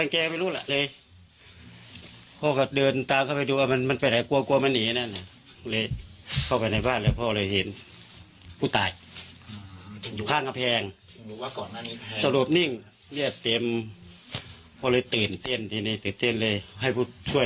ก็เลยเข้าไปในบ้านแล้ว